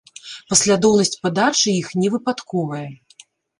Паслядоўнасць падачы іх не выпадковая.